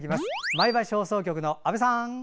前橋放送局の阿部さん。